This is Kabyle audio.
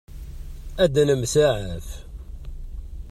Ad nemsaɛaf.